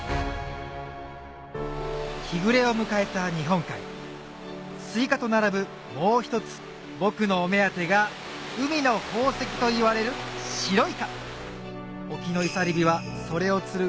日暮れを迎えた日本海すいかと並ぶもう一つ僕のお目当てが海の宝石といわれる白イカ沖の漁り火はそれを釣る